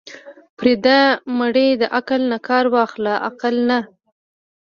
پرېده مړې د عقل نه کار واخله عقل نه.